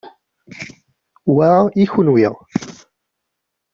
Wa i kenwi.